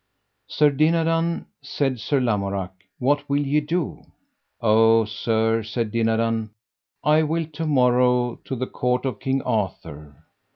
Sir Dinadan, said Sir Lamorak, what will ye do? Oh sir, said Dinadan, I will to morrow to the court of King Arthur.